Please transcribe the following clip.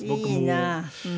いいな。